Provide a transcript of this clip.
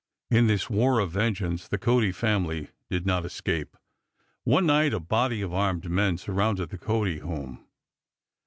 In this war of vengeance the Cody family did not escape. One night a body of armed men surrounded the Cody home.